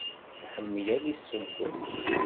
Iḥemmel ad yesseww?